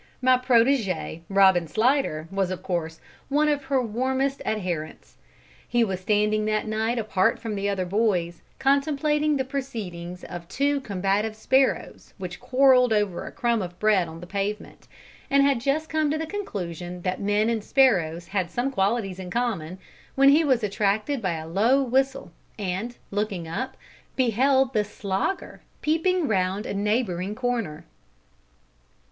My protege, Robin Slidder, was of course one of her warmest adherents. He was standing that night apart from the other boys, contemplating the proceedings of two combative sparrows which quarrelled over a crumb of bread on the pavement, and had just come to the conclusion that men and sparrows had some qualities in common, when he was attracted by a low whistle, and, looking up, beheld the Slogger peeping round a neighbouring corner.